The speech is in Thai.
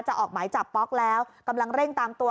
ออกหมายจับป๊อกแล้วกำลังเร่งตามตัว